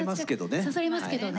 刺されますけどね。